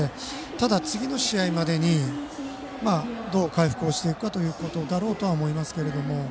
ただ、次の試合までにどう回復していくかだろうと思いますけども。